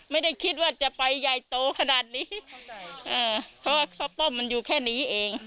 ไม่ได้คิดว่าจะไปใหญ่โตขนาดนี้เพราะว่าข้าวต้มมันอยู่แค่นี้เอง